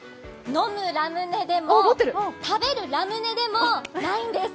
飲むラムネでも、食べるラムネでもないんです。